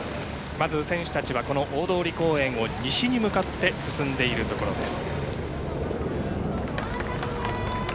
まず選手たちはこの大通公園を西に向かって進んでいるところです。